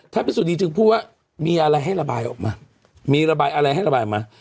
ถ้าพิสูจนีจึงพูดว่ามีอะไรให้ระบายออกมามีระบายอะไรให้ระบายออกมา